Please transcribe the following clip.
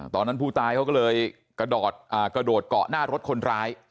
ตอนนั้นผู้ตายเขาก็เลยกระโดดเกาะหน้ารถคนร้าย